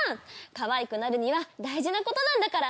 かわいくなるには大事なことなんだから。